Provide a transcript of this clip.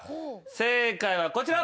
正解はこちら。